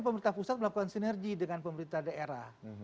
pemerintah pusat melakukan sinergi dengan pemerintah daerah